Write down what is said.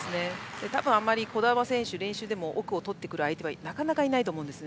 多分、あまり児玉選手は練習でも奥を取ってくる相手はなかなかいないと思うんです。